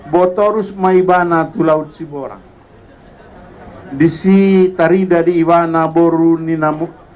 botorus maibana tulaut sibora hai disi tari dari iwana boru nina